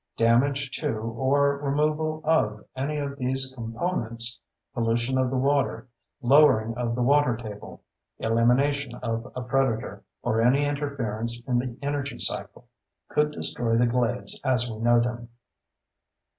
Damage to or removal of any of these components—pollution of the water, lowering of the water table, elimination of a predator, or any interference in the energy cycle—could destroy the glades as we know them.